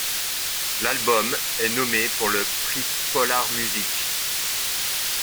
L'album est nommé pour le Prix Polar Music.